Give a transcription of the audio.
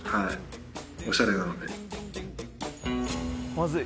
まずい。